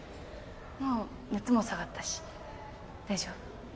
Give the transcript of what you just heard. もう熱も下がったし大丈夫。